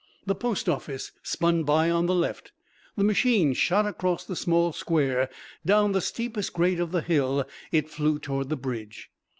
The postoffice spun by on the left; the machine shot across the small square; down the steepest grade of the hill it flew toward the bridge.